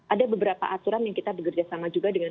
ada beberapa aturan yang kita bekerja sama juga dengan